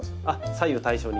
左右対称に？